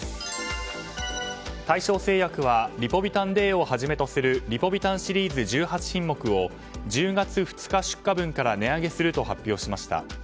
大正製薬はリポビタンＤをはじめとするリポビタンシリーズ１８品目を１０月２日出荷分から値上げすると発表しました。